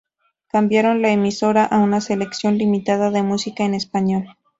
Cambiaron la emisora a una selección limitada de música en español.